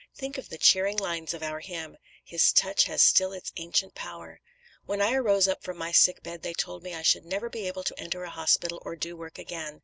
Think of the cheering lines of our hymn: "His touch has still its ancient power." When I arose up from my sick bed they told me I should never be able to enter a hospital or do work again.